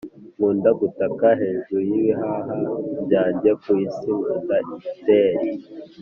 nkunda gutaka hejuru y'ibihaha byanjye ku isi "nkunda terri!"